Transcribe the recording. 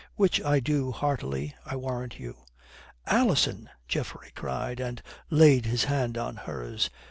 Which I do heartily, I warrant you." "Alison!" Geoffrey cried, and laid his hand on hers.